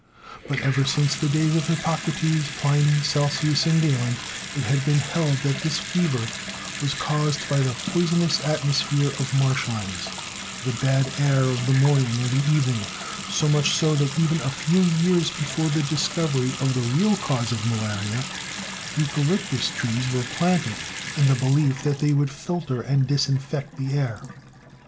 But ever since the days of Hippocrates, Pliny, Celsius and Galen it had been held that this fever was caused by the "poisonous atmosphere" of marsh lands, the bad air of the morning and the evening, so much so that even a few years before the discovery of the real cause of malaria, eucalyptus trees were planted in the belief that they would filter and disinfect the air.